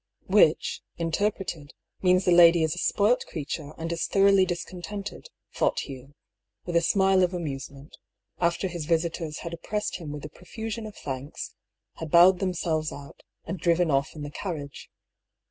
" Which, interpreted, means the lady is a spoilt crea ture, and is thoroughly discontented," thought Hugh, with a smile of amusement, after bis visitors had op pressed him with a profusion of thanks, had bowed them 166 I>R. PAULL'S THEORY. selyes out, and driyen off in the carriage.